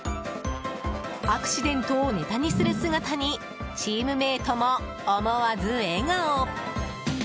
アクシデントをネタにする姿にチームメートも思わず笑顔。